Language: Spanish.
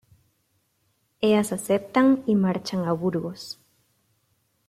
Ellas aceptan y marchan a Burgos.